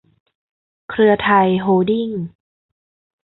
เครือไทย โฮลดิ้งส์